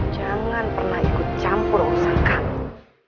jangan pernah ikut campur urusan kamu